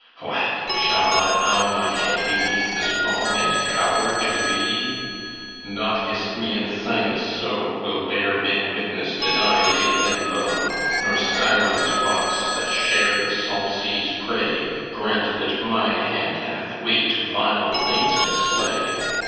What? Shall I bow my head beneath this wrong, And cower to thee? Not Isthmian Sinis so Will bear men witness that I laid him low, Nor Skiron's rocks, that share the salt sea's prey, Grant that my hand hath weight vile things to slay!